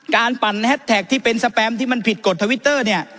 ปั่นแฮสแท็กที่เป็นสแปมที่มันผิดกฎทวิตเตอร์เนี่ย